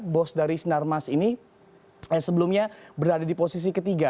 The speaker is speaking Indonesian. bos dari sinarmas ini sebelumnya berada di posisi ketiga